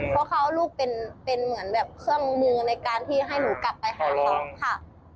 เพราะเขาเอาลูกเป็นเหมือนแบบเครื่องมือในการที่ให้หนูกลับไปหาเขาค่ะ